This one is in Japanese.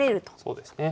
そうですね。